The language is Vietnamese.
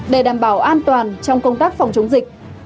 để đảm bảo an toàn trong công tác phòng chống dịch